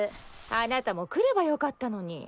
あなたも来ればよかったのに。